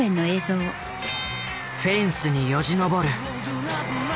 フェンスによじ登る。